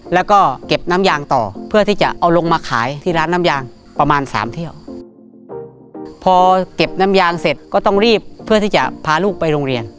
แล้วก็เก็บน้ำยางต่อเพื่อที่จะเอาลงมาขาย